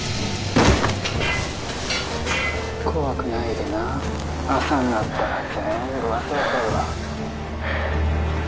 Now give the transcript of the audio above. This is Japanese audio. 怖くないでな朝になったら全部忘れとるわ